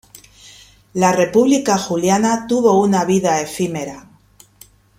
La República Juliana tuvo una vida efímera.